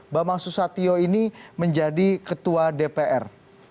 bambang susatyo ini menjadi ketua dpr